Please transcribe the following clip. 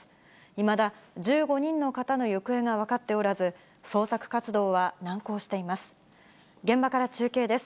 いまだ１５人の方の行方が分かっておらず、捜索活動は難航しています。